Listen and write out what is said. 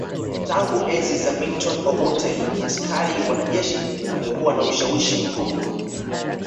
Tangu enzi za Milton Obote askari wanajeshi wamekuwa na ushawishi mkubwa